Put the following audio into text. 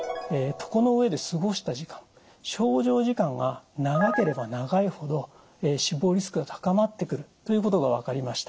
床の上で過ごした時間床上時間が長ければ長いほど死亡リスクが高まってくるということが分かりました。